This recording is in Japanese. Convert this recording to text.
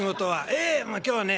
「ええ今日はね